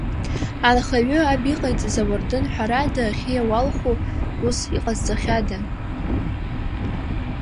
Анхаҩы аб иҟаиҵаз ауардын, ҳәарада, ахьы иауалху ус иҟазҵахьада!